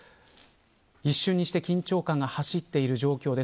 一瞬にして緊張感がはしっている状況です。